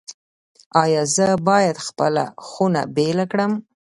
ایا زه باید خپله خونه بیله کړم؟